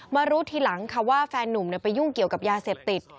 รู้ทีหลังค่ะว่าแฟนนุ่มไปยุ่งเกี่ยวกับยาเสพติด